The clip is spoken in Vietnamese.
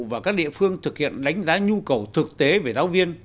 và các địa phương thực hiện đánh giá nhu cầu thực tế về giáo viên